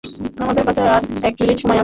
আমাদের কাছে আর এক মিনিট সময় আছে।